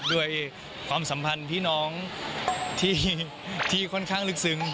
ด้วยความสัมพันธ์พี่น้องที่ค่อนข้างลึกซึ้ง